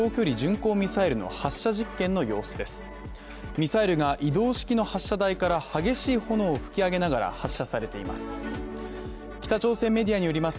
ミサイルが移動式に発射台から激しい炎を吹き上げながら発射されています。